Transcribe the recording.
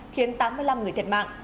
khiến tám mươi năm người thiệt mạng